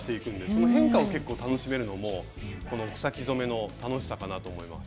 それを楽しめるのも草木染めの楽しさかなと思います。